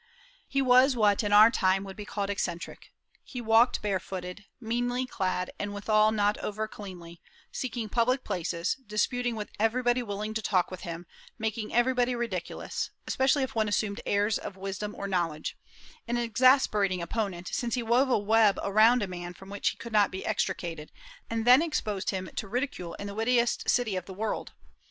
He was what in our time would be called eccentric. He walked barefooted, meanly clad, and withal not over cleanly, seeking public places, disputing with everybody willing to talk with him, making everybody ridiculous, especially if one assumed airs of wisdom or knowledge, an exasperating opponent, since he wove a web around a man from which he could not be extricated, and then exposed him to ridicule in the wittiest city of the world.